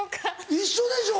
一緒でしょ？